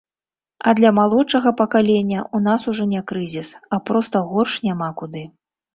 А для малодшага пакалення ў нас ужо не крызіс, а проста горш няма куды.